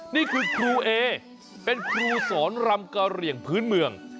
นี่คือครูเอเป็นครูสอนรำกะเหลี่ยงพื้นเมือง